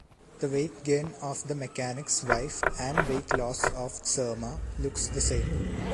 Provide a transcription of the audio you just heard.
The weight gain of the mechanic's wife and weight loss of Tsermaa looks the same.